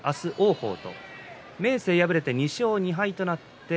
明生、敗れて２勝２敗となりました。